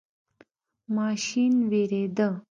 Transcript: ماشین ویریده.